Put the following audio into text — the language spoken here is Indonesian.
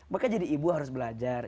maka jadi ibu harus belajar